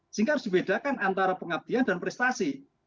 sehingga harus dibedakan antara pengabdian dan prestasi